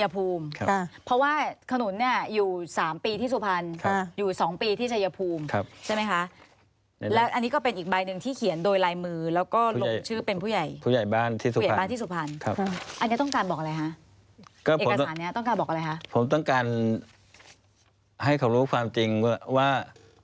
ผมต้องการให้เขารู้ความจริงว่า